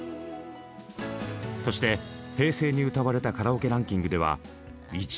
そして平成に歌われたカラオケランキングでは１位に輝きました。